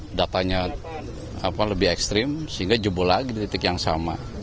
dan datanya lebih ekstrim sehingga jebol lagi di titik yang sama